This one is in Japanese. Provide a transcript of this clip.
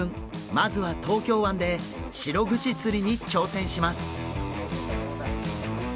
まずは東京湾でシログチ釣りに挑戦します！